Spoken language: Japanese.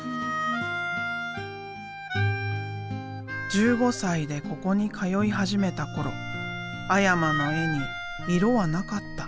１５歳でここに通い始めた頃阿山の絵に色はなかった。